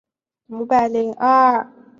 资兴的农业以生产稻谷为主。